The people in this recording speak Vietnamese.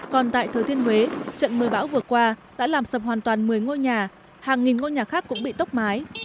còn tại thừa thiên huế trận mưa bão vừa qua đã làm sập hoàn toàn một mươi ngôi nhà hàng nghìn ngôi nhà khác cũng bị tốc mái